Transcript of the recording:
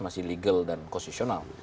masih legal dan kosesional